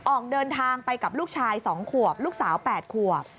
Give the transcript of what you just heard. ออกเดินทางไปกับลูกชาย๒ขวบลูกสาว๘ขวบ